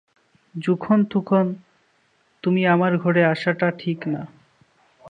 যুখন-তখন তুমি আমার ঘরে আসা- টা ঠিক না।